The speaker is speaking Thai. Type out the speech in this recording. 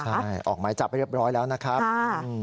ใช่ออกหมายจับเรียบร้อยแล้วนะครับ